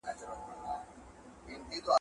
چوروندوک چي هم چالاکه هم هوښیار دی!